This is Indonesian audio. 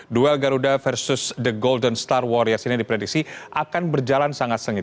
duel garuda versus the golden star warriors ini diprediksi akan berjalan sangat sengit